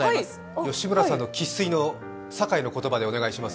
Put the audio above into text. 吉村さんの生っ粋の堺の言葉でお願いします。